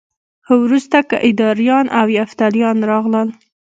وروسته کیداریان او یفتلیان راغلل